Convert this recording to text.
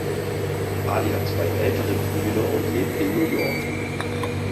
Ali hat zwei ältere Brüder und lebt in New York.